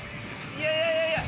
いやいやいやいや！